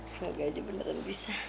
semoga aja beneran bisa